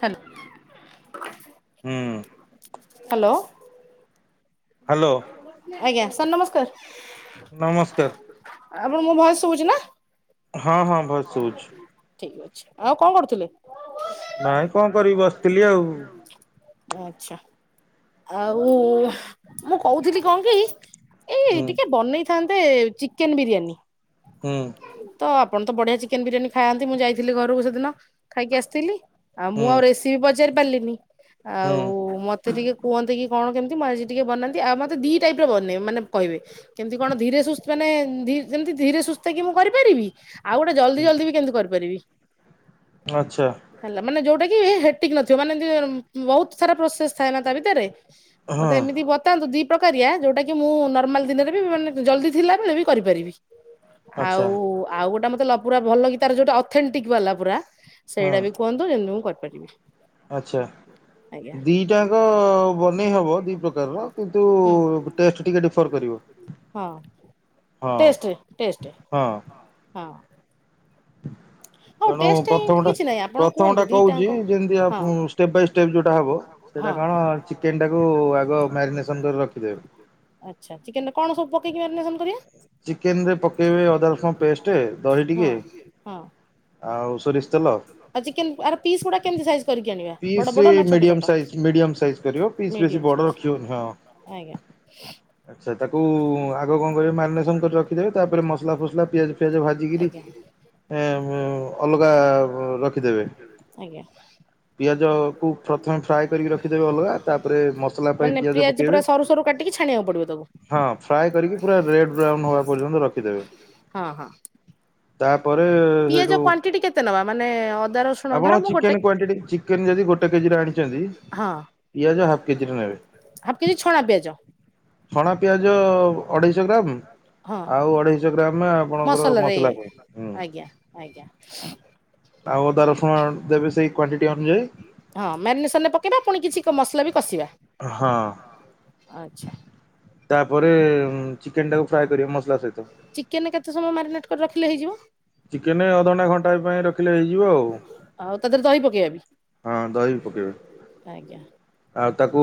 Hello ହଁ hello hello ଆଜ୍ଞା sir ନମସ୍କାର ଆପଣ ମୋ ଭସ ତୁ ବୁଝ୍ ନା ହଁ ହଁ ଭସ୍ ଶହୁଛି ଠିକ ଅଛି ଆଉ କଣ କରୁଥିଲେ? ନାଇଁ କଣ କରିବି ବସିଥିଲି ଆଉ ଆଛା ଆଉ ମୁଁ କହୁଥିଲି। କଣ କିି? ଏଇ ଟିକେ ବନେଇଥାନ୍ତ ସେ ଚିକେନ ବିରିୟାନୀ। ତ ଆପଣ ତ ବଢିଆ ଚିକେନ ବିରିୟାନୀ ଖାଆନ୍ତି ମୁଁ ଯାଇଥିଲି ଘରକୁ ସେଦିନ ଖାଇକି ଆସିଥିଲି। ଆଉ ମୁଁ ଆଉ ରେସିପି ପଚା ପଚାରି ପାରିଲିନି। ଆଉ ମତେ ମତେ ଟିକେ କୁହନ୍ତେ କି କଣ କେମିତି ମୁଁ ଆଜି ଟିକେ ବନାନ୍ତି ଆଉ ମୋତେ ଦି ଟାଇପ ର ବନେଇ ମାନେ କହିବେ କେମିତି କଣ ଧୀରେ ସୁସ୍ଥ ମାନେ ଯେମିତି ଧୀରେ ସୁସ୍ କି ମୁଁ କରିପାରିବି? ଆଉ ଗୋଟେ ଜଲଦି ଜଲଦି ବି କେମିତି କରିପାରିବି। ହେଲା ମାନେ ଯୋଉଟା କି ହେଟିକ ନଥିବ ମାନେ ବହୁତ ସାରା ପ୍ରୋସେସ ଥାଏ ନା ତା ଭିତରେ। ମତେ ଏମିତି ବତାନ୍ତୁ ଦି ପ୍ରକାରିଆ ଯୋଉଟା କି ମୁଁ ନର୍ମାଲ ଦିନରେ ବି ମାନେ ଜଲଦି ଥିଲାବେଳେ ବି କରିପାରିବି। ଆଉ ଆଉ ଗୋଟେ ମୋତେ ପୁରା ଭଲ କି ତାର ଯୋଉଟା ଅଥେଣ୍ଟିକ ବାଲା ପୁରା ସେଇଟା ବି କୁହନ୍ତୁ ଯେମିତି ମୁଁ କରି ପାରିବି। ଆଚ୍ଛା ଦିଟା ଙ୍କ ବନେଇ ହେବ ଦୁଇପ୍ରକାରର କିନ୍ତୁ ଟେଷ୍ଟ ଟିକେ ଡିଫର୍ କରିବ ହଁ। ହଁ। ହଁ। ତେଣୁ ପ୍ରଥମଟା ପ୍ରଥମ ଟା କହୁଛି ଯେମିତି ଷ୍ଟେପ୍ ବାଇ ଷ୍ଟେପ୍ ଯୋଉଟା ହବ ସେଇଟା କଣ ଚିକେନ ଟାକୁ ଆଗ ମ୍ୟାରିନେସନ କରି ରଖିଦେବେ। ପକେଇକି ମ୍ୟାରିନେଶନ କରିବା? ଚିକେନ ରେ ପକେଇବେ ଅଦା ରସୁଣ ପେଷ୍ଟ ଦହି ଟିକେ ଆଉ ଚିକେନ ଆର ପିସ୍ ଗୁଡା କେମିତି ସାଇଜ କରିକି ଆଣି piece medium size medium size କରିବ ପିସ୍ ବେଶୀ ବଡ଼ ରଖିବନି ହଁ ସେଇଟାକୁ ଆଗ କଣ କରିବ ମ୍ୟାରିନେସନ୍ କରିକି ରଖିଦେବେ ତାପରେ ମସଲା ଫସଲା ପିଆଜ ଫିଆଜ ଭାଜିକିରି ଏଁ ଅଲଗା ଆଜ୍ଞା। ପିଆଜକୁ ପ୍ରଥମେ ଫ୍ରାଏ କରିକି ରଖିଦେବେ ଅଲଗା ତାପରେ ମସଲା ପାଇଁ ପିଆଜ ପକେଇବେ ହଁ ଫ୍ରାଏ କରିକି ପୁରା ରେଡ୍ ବ୍ରାଉନ ହବା ପର୍ଯ୍ୟନ୍ତ ରଖିଦେବେ। ପିଆଜ କ୍ୱାଣ୍ଟିଟି କେତେ ନବା ମାନେ ଅଦା ରସୁଣ ଆପଣ ଚିକେନ କ୍ଵାଣ୍ଟିଟି ଚିକେନ୍ ଯଦି ଗୋଟେ କେଜିରେ ଆଣିଛନ୍ତି ପିଆଜ ହାଫ୍ କେଜିରେ ନେବେ ଛଣା ପିଆଜ ଅଢ଼େଇଶହ ଗ୍ରାମ ଆଉ ଅଢ଼େଇଶହ ଗ୍ରାମ ଆପଣଙ୍କର ମସଲା ପାଇଁ। ଆଜ୍ଞା ଆଜ୍ଞା। ଆଉ ଅଦା ରସୁଣ ଦେବେ ସେଇ କ୍ଵଣ୍ଟିଟି ଅନୁଯାୟୀ। ଏକ ମସଲା ବି କଷିବା। ହଁ। ଆଛା ଚିକେନ କେତେ ସମୟ ମାରିନେଟ ରଖିଲେ ହେଇଯିବ। ଚିକେନ ଅଧଘଣ୍ଟାଏ ଘଣ୍ଟାଏ ପାଇଁ ରଖିଲେ ହେଇ ହଁ ଦହି ପକେଇବେ ଆଉ ତାକୁ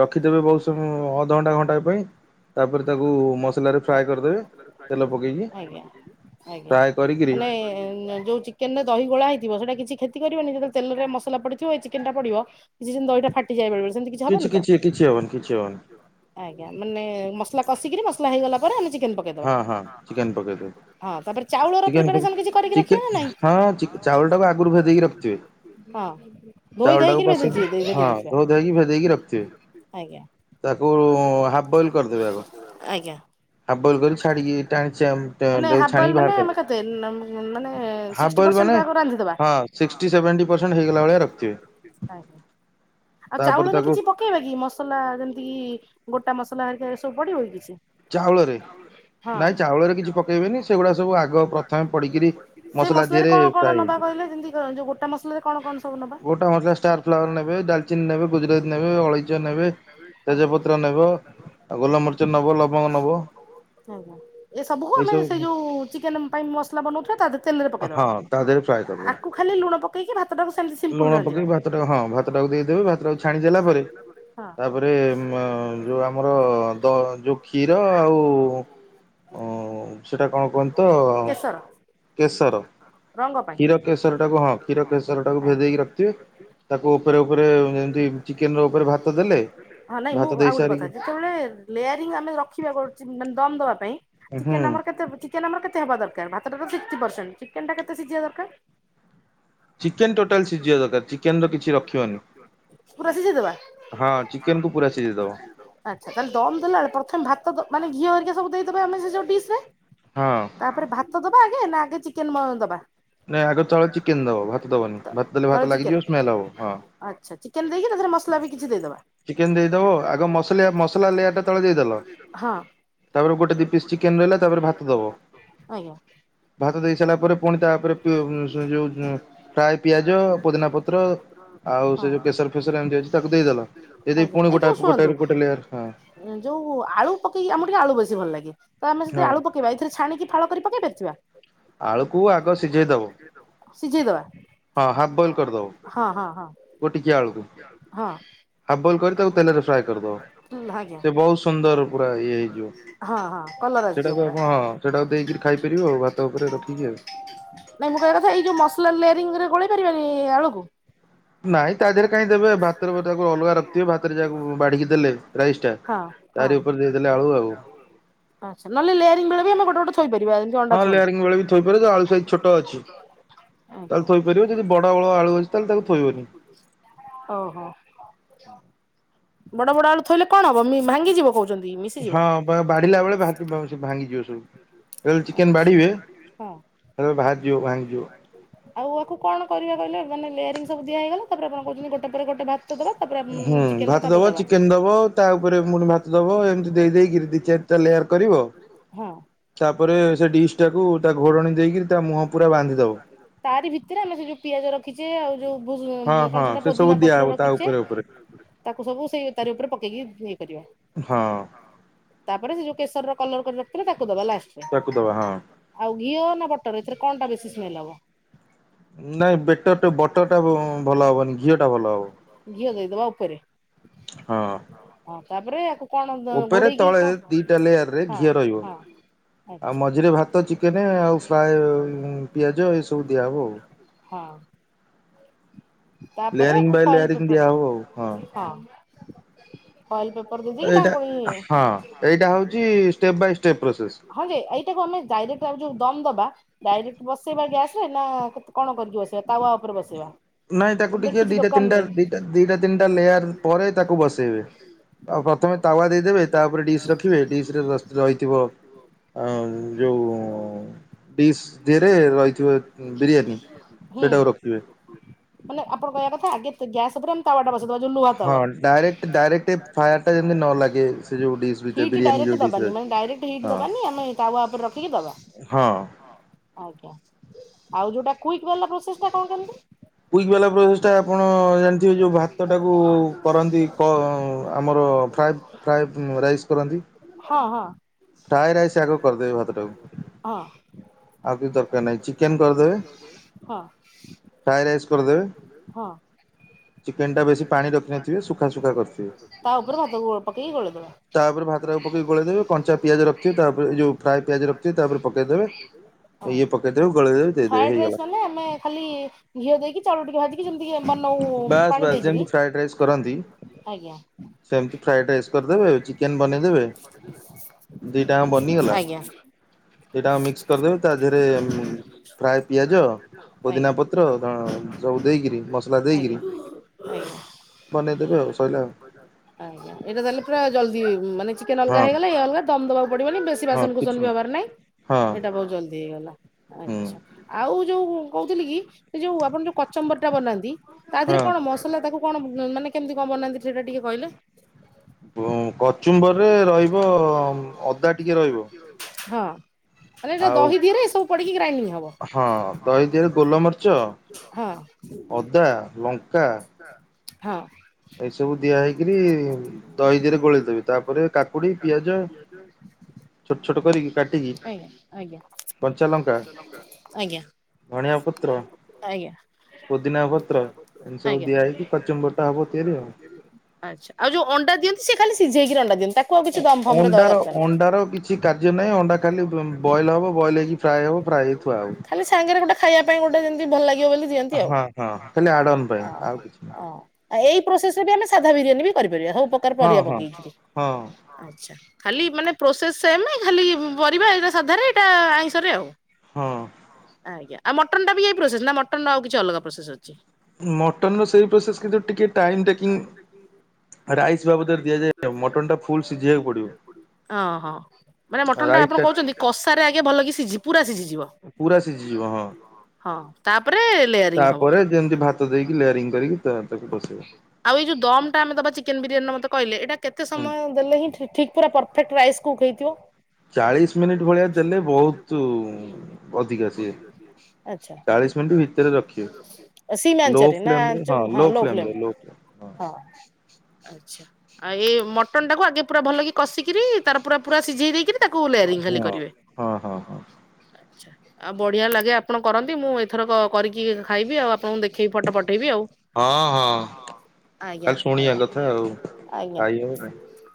ରଖିଦେବେ ବହୁତ ସମୟ ହୁଁ ଅଧଘଣ୍ଟା ଘଣ୍ଟା ପାଇଁ ତାପରେ ତାକୁ ମସଲାରେ ଫ୍ରାଏ କରିଦେବେ ତେଲ ପକାଇକି। ଆଜ୍ଞା ମାନେ ଯୋଉ ଚିକେନରେ ଦହି ଗୋଳା ହେଇ ସେଇଟା କିଛି୍ଖେତିିକରିବନି ଯେତବେଳେ ତେଲରେ ମସଲା ପଡିଥିବ ଚିକେନ ଟା ପଡିବ ଯେମିତି ଦହିଟା ଫାଟି ଯାଏ ସେମିତି କିଛି ହବନି ତ ଆଜ୍ଞା ମାନେ ମ କଶିକିରି ମସଲା ହେଇଗଲା ପରେ ଆମେ ଚି ଚିକେନ ପକେଇ ଦବା ତା ପରେ ଚାଉଳ ର ପ୍ରିପାରେସନ କିଛି କରିକି ରଖିବ ନା ନାହିଁ ହଁ ଧୋଇ ଧାଇ କିରୀ ଭେଦେଇ ଦେଇଥିବା ଆଜ୍ଞା। ଦେବାକୁ ମାନେ ହାପବଏଲ ମାନେ ଆମ କେତେ ସୀଷ୍ଟି ପର୍ସେନ୍ଟ ଆଗ ରାନ୍ଧି ଦବା ଆଜ୍ଞା ଆଉ ଚାଉଳ ରେ କିଛି ପକେଇ ବାକି ମସଲା ଯେମିତି କି ଗୋ ଗୋଟା ମସଲା ହେରିକା ଏସବୁ ପଡ଼ିବ କି କିଛି? ଚାଉଳରେ ନାଇଁ ଚାଉଳରେ କିଛି ପକେଇବେନି ସେଗୁଡା ସବୁ ଆଗ ପ୍ରଥମେ ପଡ଼ିକରି ମସଲା ଦିହରେ ଫ୍ରାଏ ହେଇଯିବ ଗୋଟା ମସଲା ଷ୍ଟାର ଫ୍ଲାୱାର ନେବେ ଡାଲଚିନି ନେବେ ଗୁଜୁରାତି ନେବେ ଅଳେଇଚ ନେବେ ତେଜପତ୍ର ନେବ ଆଉ ଗୋଲ ମରିଚ ନେବ ଲ ଏସବୁ ହଁ ତା ଦେହରେ ଫ୍ରାଏ କରିଦବ ଲୁଣ ପକେଇକି ଭାତଟା ହଁ ଭାତ ଟାକୁ ଦେଇଦେବେ ଭାତଟାକୁ ଛାଣି ଦେଲା ପରେ ତାପରେ ଯୋଉ ଆମର ଯୋଉ ଆଉ ସେଟା କଣ କୁହନ୍ତି ତ କେଶର କ୍ଷୀର କେଶରଟାକୁ ହଁ କ୍ଷୀର କେଶର ଟାକୁ ଭେଦେଇକି ରଖିଥିବେ ତାକୁ ଉପରେ ଉପରେ ଯେମିତି ଚିକେନ ର ଉପରେ ଭାତ ଦେଲେ ଭାତ ଦେଇ ସାରିକି ରଖିବାକୁୁଛି ମାନେ ଦମ ଦବା ପାଇଁ ଚିକେନ ଆମର କେତେ ଚିକେନ ଆମର କେତେ ହବା ଦର ଭାତ ଟା ତ ସିଷ୍ଟି ପରସେଣ୍ଟ ଚିକେନ ଟା କେତେ ସିଝିବା ଦରକାର? ଚିକେନ ଟୋଟାଲ ସିଝିବା ଦରକାର ଚିକେନ ର କିଛି ରଖିବନି ହଁ ଚିକେନ କୁ ପୂରା ସିଝେଇ ଦବ। ମାନେ ଘିଅ ହେରିକା ସବୁ ଦେଇ ଦବା ଆମେ ସେ ଯୋଉ ଡିସ ରେ। ତାପରେ ଭାତ ଦବା ଆଗେ ନା ଚିକେନ ମ ଦବା ନାଇଁ ଆଗ ତଳେ ଚିକେନ ଦବ ଭାତ ଦବନି ଭାତ ଦେଲେ ଭାତ ଲାଗିଯିବ ସ୍ମେଲ ହବ ହଁ। ଚିକେନ ଦେଇକି ତା ଦେହରେ ମସଲା ବି ଚିକେନ ଦେଇଦବ ଆଗ ମସଲିଆ ମସଲା ଲେୟାର ଟା ତଳେ ଦେଇଦେଲ। ତାପରେ ଗୋଟେ ଦି ପିସ୍ ଚିକେନ ରହିଲା ତାପରେ ଭାତ ଦବ, ଭାତ ଦେଇ ସାରିଲା ପରେ ପୁଣି ତାପରେ ଯୋଉ ଫ୍ରାଏ ପିଆଜ ପୋଦିନା ପତ୍ର ଆଉ ସେ ଯୋଉ ପ୍ରସର ଫେସର ଏମିତି ଅଛି ତାକୁ ଦେଇଦେଲ ଆଜ୍ଞା ଏ ଯୋଉ ଶୁଣନ୍ତୁ ଯୋଉ ଆଳୁ ପକେଇକି ଆମକୁ ଟିକେ ଆଳୁ ବେଶୀ ଭଲ ଲାଗେ। ତ ଆମେ ଯଦି ଆଳୁ ପକେଇବା ଏଥିରେ ଛାଣିକି ଫାଳ କରି ପକେଇ ପାରିିଥିବା। ଆଳୁକୁ ଆଗ ସିଝେଇ ଦବ ହଁ ହାଫ ବଏଲ କରିଦବ ଗୋଟିକିଆ ଆଳୁକୁ ହାଫ ବଏଲ କରି ତାକୁ ତେଲରେ ଫ୍ରାଏ କରିଦବ ସେ ବହୁତ ସୁନ୍ଦର ପୁରା ଇ ହେଇଯିବ ସେଟାକୁ ଆପଣ ହଁ ସେଟାକୁ ଦେଇକରି ଖାଇପାରିବେ ଆଉ ଭ ନାଇଁ ମୁଁ କହିବା କଥା ଏଇ ଯୋଉ ମସଲା ଲେୟାରଙ୍ଗରେ ଗୋଳେଇ ପାରିବାନି ସେ ଅଳକୁୁ ନାଇଁ ତା ଦେହରେ କାହିଁ ଦେବେ ଭାତର ତା ଅଲଗା ରଖିଥିବେ ଭାତରେ ଯାହାକୁ ବାଡିକି ଦେଲେ ରାଇସ୍ ଟା ତାରି ଉପରେ ଆଛା ନ ଲେରିଂ ଭଳ ବିମ [unintelligible] ହଁ ଲେୟାରିଙ୍ଗ ବେଳେ ବି ଥୋଇପାରିବ ଆଳୁ ସାଇତ ଛୋଟ ଅଛି ତାହେଲେ ଥୋଇପାରିବ ଯଦି ବଡ ବଳ ଆଳୁ ଅଛି ତାହେଲେ ତାକୁ ଥୋଇବନି ବଡ ବଡ ଆଳୁ ଥୋଇଲେ କଣ ହବ ଭାଙ୍ଗିଯିବ କହୁଛନ୍ତି। ହଁ ବାଡିଲା ବେଳେ ବାହାର ଭାଙ୍ଗିଯିବ ସବୁ ଚିକେନ ବାଡିବେ ବାହାରିଯିବ ଭାଙ୍ଗିଯିବ। ଆଉ ଆକୁ କଣ କରିବା କହିଲେ ମାନ ଲେୟରିଙ୍ଗ ସୁ ଦିଆ ହେଇଗଲା ତାପରେପଣ କହୁଛନ୍ତିଟେ ପରେ ଗୋଟେ ଭାତ- ବା ତାପରେ ଭ ଦ ଚିକେନ ଦ ତା ଉପରେ ମୁଣି ଭାତ ଦବ ଏମିତି ଦେଇ ଦେଇକ ଦି ଚାରିଟା ଲେୟାର କରିବ ତାପରେ ସେ ଡିସ୍ ଟାକୁ ତା ଘୋଡ଼ଣ ଦେଇକରି ତା ମୁହଁ ପ ବାନ୍ଧି ଦବ ଆଉ ଯୋଉ କଣ ସେଟା ପୋଦିନା ପତ୍ର ରଖିଛେ ସେ ତାର ଉପରେ ପକି କରିବା ତାପରେ ସେ ଯଉ କସର ର କଲର କରି ରଖଥିଲା ତା ବାଲା ଆସେ ଆଉ ଘିଅ ଟରେ ଏଥିରେ କଣ ଟା ବେଶୀ ସ୍ମେଲ ହବ। ନାଇଁ ବେଟ ବଟ ଟା ଭଲ ହବନି ଘିଅ ଟା ଭଲ ହବ। ଏ ବା ଉପରେ ହଁ ହଁ ତାପରେ ଉପରେ ତଳେ ଦିଟା ଲେୟରେ ଘିଅ ରହିବ, ଆଉ ମଝିରେ ଭାତ ଚିକେନ ଆଉ ଫ୍ରାଏ ପିଆଜ ଏବୁ ଦିଆହବ ଆଉ ଦିବ ଆଉ ହଁ [inaudible] ଏପ ତା ଏଇଟାଡ ଦ ଦବା ଡାଇରେକ୍ଟ ବସେଇବା ଗ୍ୟାସ ରେ ନା କେ କଣ କରିକି ବସେଇବା ତାୱା ଉପରେ ବସେଇବା ନାଇଁ ତାକୁ ଟିକେ ଦିଟା ତିନିଟା ଦିଟା ଦିଟା ତିନିଟା ଲେୟାର ପରେ ତାକୁ ବସେଇବେ ଆଉ ପ୍ରଥମେ ତାୱା ଦେଇଦେବେ ତାପରେ ଡିସ୍ ରଖିବେ ଡିସ୍ରେ ରହିଥିବ ଯେଉଁ ଡିସ୍ ଦେରେ ରହିଥିବ ବିରିୟାନୀ ସେଇଟାକୁ ରଖିବେ। ମାନେପଣ କହ କଥା ଆଗେ ଗ୍ୟାସ ଉପରେମ ତାଟା ବସ ଡବ ଆମେ ଟାଉ ଉପରେ ରଖିକିବା। ଆଉ ଯୋଉଟା କିକ ବା ପ୍ରୋସେସ ଟା କଣ କେମିତି? କଇ ବାଲା ପ୍ରଚେଷ୍ଟା ଆପଣ ଜାଣିଥିବେ ଯୋଉ ଭାତ ଟାକୁ କରନ୍ତି ଆମର ଫ୍ରାଏ ଫ୍ରାଏ ରାଇସ୍ କରନ୍ତି। ହଁ ହଁ। ଫ୍ରାଏ ରାଇସ୍ ଆଗ କରିଦେବେ ଭାତଟାକୁ ଆଉ କିଛି ଦରକାର ନାହିଁ ଚିକେନ କରିଦେବେ ଫ୍ରାଏ ରାଇସ୍ କରିଦେବେ ଚିକେନ ଟା ବେଶୀ ପାଣି ରଖିିନ ସେ ସୁଖା ଶୁଖା କରିଥିବେ। ତା ଉପରେ ଭାତଟାକୁ ପକେଇ ଗୋଳେଇଦେବେ କଞ୍ଚା ଫ୍ରାଇଡ ରାଇସ୍ ମାନେ ଆମେ ଖାଲି ଘିଅ ଦେଇକି ଚାଉଳ ଟିକେ ଭାଜିକି ଯେ ବାସ୍ ବାସ୍ ଯେମିତି ଫ୍ରାଇଏଡ ରାଇସ୍ କରନ୍ତି ସମିତି ଫ୍ରାଏଡ ରାଇସ କରିଦେବେ ଚିକେନ୍ ବନେଇ ଦେବେ ଦି ଟା ଯାକ ବାନିଗଲା ଏଇଟା ମିକ୍ସ କରିଦେବେ ତା ଦେହରେ ଫ୍ରାଏ ପିଆଜ ପୋଦିନା ପତ୍ର ସବୁ ଦେଇକରି ମସ ଆଜ୍ଞା ଆଜ୍ଞା ଏଇଟା ତାହାଲେ ପୁରା ଜଲଦି ମାନେ ଚିକେନ ଅଲଗା ହେଇଗଲା ଇଏ ଅଲଗା ଦମ୍ ଦବାକୁ ପଡିବନି ବେଶ ବାସନକୁସନ ବି ହବାର ନାହିଁ। ଏଇଟା ବହୁତ ଜଲଦି ହେଇଗଲା। ଲା। ଆଛା ଆଉ ଯୋଉ କହୁଥିଲି କି ସେ ଯୋଉ ଆପଣ ଯୋଉ କଚମ୍ବର ଟା ବନାନ୍ତି ତା ଦେହରେ କଣ ମସଲା ତାକୁ କଣ ମାନେ କେମିତି କଣ ବନାନ୍ତି ସେଟା ଟିକେ କହିଲେ। କଚୁମ୍ବରରେ ରହିବ ଅଦା ଟିକେ ରହିବ ହଁ। ଏ ଦହି ଦିହରେ ଏ ସବୁ ପଡ଼ିକି ଗ୍ରାଇଣ୍ଡଙ୍ଗ ହବ୍ ହଁ। ହଁ। ଏଇ ସବୁ ଦିଆ ହେଇକରି ଦହି ଦିହରେ ଗୋଳେଇଦେବେ ତାପରେ କାକୁଡି ପିଆଜ ଛୋଟ ଛୋଟ କରିକି କାଟିକି ଆଜ୍ଞା ଆଜ୍ଞା ଆଜ୍ଞା ଆଜ୍ଞା ଆଜ୍ଞା। ଆଚ୍ଛା ଆଉ ଯୋଉ ଅଣ୍ଡା ଦିଅନ୍ତି ସେ ଖାଲି ସିଝେଇ କିରି ଅଣ୍ଡା ଦିଅନ୍ତି। ଅଣ୍ଡାର ଅଣ୍ଡାର କିଛି କାର୍ଯ୍ୟ ନାହିଁ ଅଣ୍ଡା ଖାଲି ବଏଲ ହବ ବଏଲ ହେଇକି ଫ୍ରାଏ ହବ ଫ୍ରାଏ ହେଇକି ଥୁଆ ହବ। ଖାଇବା ପାଇଁ ଗୋଟେ ଯେମତି ଭଲ ଲାଗେ ହଁ ହଁ ଖାଲି ଆଡ଼ନ ପାଇଁ ଆଉ କିଛି ନୁହ। ପ୍ରୋସରେ ବି ଆମେ ସାଧା ବିରିୟାନ ବିି କରି ସବୁ ପକାର ପରିବା ପକେଇକିରି ଆଛା। ଖାଲି ମାନେ ପ୍ରୋସେସ ସେମ ଖାଲି ପରିବା ଏଇଟା ସାଧାରାରେ ଏଇଟା ଆଇଁଷରେ ଆଉ ଆଜ୍ଞା ଆଉ ମଟନ୍ ବି ଏଇ ପ୍ରୋସେସ୍ ନା ମଟନ୍ ଆଉ କି ଅଲଗା ପ୍ରୋସେସ୍ ଅଛି, ମଟନ ର ପ୍ରୋସେସ ଟିକେ ଟାଇମ ଦେଖି କରି ରାଇଟ ମାପରେ ଦିଆଯାଏ ଆଉ ମଟନଟା ଫୁଲ ସିଝେଇବାକୁ ପଡିବ, ଓହୋ ମାନେ ମଟ ମଟନାଟା ଆପଣ କହୁଛନ୍ତି କ ସାର୍ ଆଗେ ଭଲ କିି ସିଝି ପୁରା ସିଝିଚି ପୁରା ସିଝି ଯିବ ହଁ ପରେ ଲେଆରିଙ୍ଗ ହବ, ତା ପରେ ଯେମିତି ଭାତ ଦେଇକି ଲେଆରିଙ୍ଗ କରି, ଆଉ ଏଇ ଯୋଉ ଦମଟା ଆମେ ଦବା ଚିକେନ ବିରିଆନୀ ର ମତେ କହିଲେ ଏଟା କେତେ ସମୟ ଦେଲେ ହିଁ ଠିକ୍ ପୁରା ପରଫେକ୍ଟ ରାଇସ୍ କୁ ହେଇଥିବ। ଚାଳିଶ ମିନିଟ୍ ଭଳିଆ ଦେଲେ ବହୁତ ଅଧିକ ସିଝିବ ଆଛା ଚାଳିଶି ମିନିଟ ଭିତରେ ରଖିବେ ସିମ ଆଞ୍ଚରେ ନା ଆଞ୍ଚ ହଁ ଲୋ ଫ୍ଲେମ୍, ହଁ ଆଚ୍ଛା ଆଉ ଏଇ ମଟନ ଟାକୁ ଆଗେ ପୁରା ଭଲକି କଷିକରି ତାର ପୁରା ପୁରା ସିଝେଇ ଦେଇକି ତାକୁ ଲ୍ୟାରିଙ୍ଗ ଖାଲି କରିବେ, ହଁହଁ ଆଛା ଆଉ ବଢିଆ ଲାଗେ ଆପଣ କରନ୍ତି ମୁଁ ଏଥର କରିକି ଖାଇବି ଆଉ ଆପଣଙ୍କୁ ଦେଖ ଖେଇ ଫଟୋ ପଠେଇବି ଆଉ, ହଁ ହଁ ଆଜ୍ଞା ଆଜ୍ଞା ବଢିଆ କଥା ଆଉ ଆଜ୍ଞା ଖାଇ